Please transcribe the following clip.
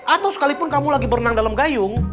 atau sekalipun kamu lagi berenang dalam gayung